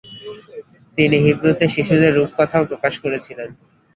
তিনি হিব্রুতে শিশুদের রূপকথাও প্রকাশ করেছিলেন।